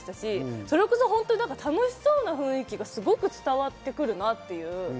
それこそ楽しそうな雰囲気がすごく伝わってくるなという。